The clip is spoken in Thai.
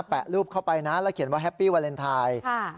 แปะรูปเข้าไปนะแล้วเขียนว่าแฮปปี้วาเลนไทย